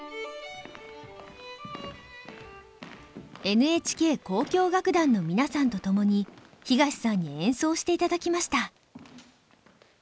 ＮＨＫ交響楽団の皆さんと共に東さんに演奏していただきました。